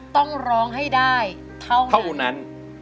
ต้องร้องให้ได้เท่านั้น